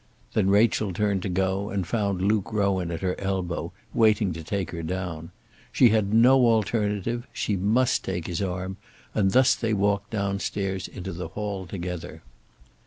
Then Rachel turned to go, and found Luke Rowan at her elbow waiting to take her down. She had no alternative; she must take his arm; and thus they walked down stairs into the hall together.